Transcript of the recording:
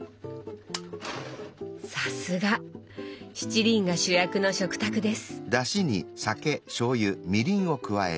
さすが！七輪が主役の食卓です。